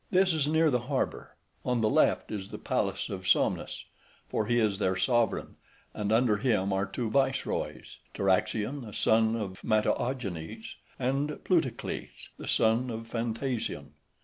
This is near the harbour; on the left is the palace of Somnus, for he is their sovereign, and under him are two viceroys, Taraxion, {138a} the son of Mataeogenes, and Plutocles, {138b} the son of Phantasion.